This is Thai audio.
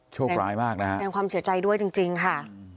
โชคร้ายมากนะฮะแสดงความเสียใจด้วยจริงค่ะ